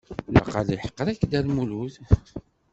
Naqal yeḥqer-ik Dda Lmulud.